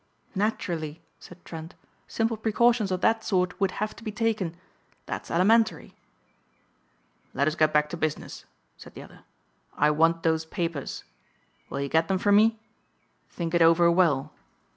"Naturally," said Trent, "simple precautions of that sort would have to be taken. That's elementary." "Let us get back to business," said the other, "I want those papers. Will you get them for me? Think it over well.